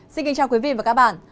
xin kính chào quý vị và các bạn